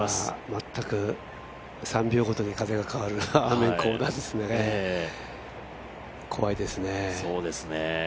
全く、３秒ごとに風が変わるアーメンコーナーですね、怖いですね。